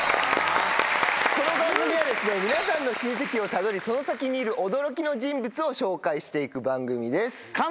この番組は皆さんの親戚をたどりその先にいる驚きの人物を紹介して行く番組です。